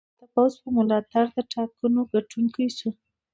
هغه د پوځ په ملاتړ د ټاکنو ګټونکی شو.